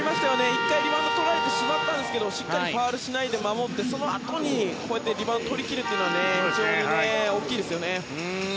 １回、リバウンドをとられてしまったんですがしっかりファウルしないで守ってそのあとにリバウンドをとりきるのは非常に大きいですね。